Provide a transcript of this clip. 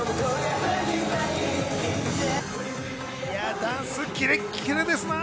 ダンス、キレッキレですな。